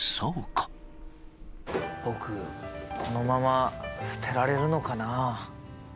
僕このまま捨てられるのかな。